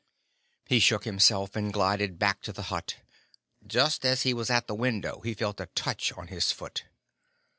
He shook himself and glided back to the hut. Just as he was at the window he felt a touch on his foot.